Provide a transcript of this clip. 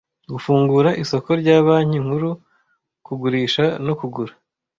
Gufungura isoko rya Banki Nkuru kugurisha no kugura